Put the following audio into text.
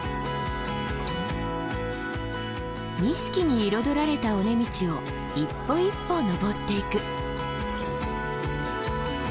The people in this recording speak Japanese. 錦に彩られた尾根道を一歩一歩登っていく。